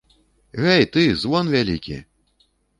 Гэй, ты, звон вялікі!